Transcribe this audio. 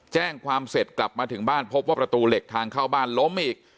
แจ้งความเสร็จกลับมาถึงบ้านพบว่าประตูเหล็กทางเข้าบ้านล้มอีก